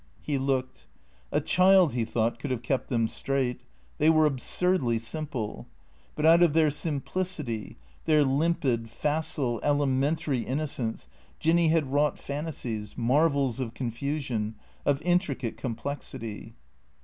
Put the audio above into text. He looked. A child, he thought, could have kept them straight. They were absurdly simple. But out of their sim plicity, their limpid, facile, elementary innocence, Jinny had wrought fantasies, marvels of confusion , of intricate complexity.